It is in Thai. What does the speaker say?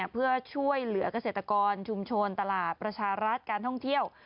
เพื่อช่วยเหลือกเกษตรกรชุมชนตลาดประชารัฐการท่องเที่ยว